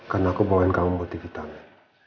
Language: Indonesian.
karena aku mauin kamu buat divitamin